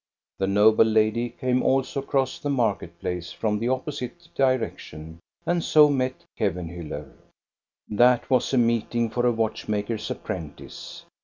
The noble lady came also across the market place from the opposite direction, and so met Kevenhiiller. That was a meeting for a watch maker's appren tice.